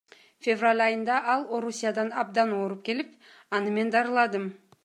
Февраль айында ал Орусиядан абдан ооруп келип, аны мен даарыладым.